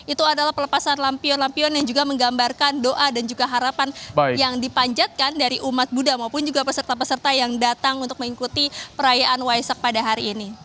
itu adalah pelepasan lampion lampion yang juga menggambarkan doa dan juga harapan yang dipanjatkan dari umat buddha maupun juga peserta peserta yang datang untuk mengikuti perayaan waisak pada hari ini